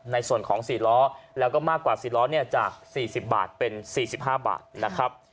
ในส่วนของสี่ล้อแล้วก็มากกว่าสี่ล้อเนี่ยจากสี่สิบบาทเป็นสี่สิบห้าบาทนะครับ